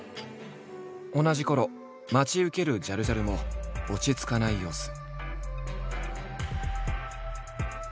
同じころ待ち受けるジャルジャルも落ち着かない様子。